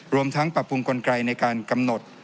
รวมทั้งปรับปรุงกลไกในการกำหนด